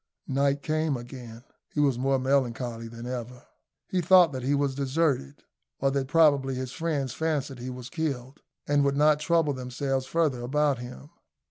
Night came again. He was more melancholy than ever. He thought that he was deserted, or that probably his friends fancied he was killed, and would not trouble themselves further about him.